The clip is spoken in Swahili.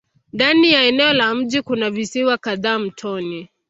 Ndani ya eneo la mji kuna visiwa kadhaa mtoni.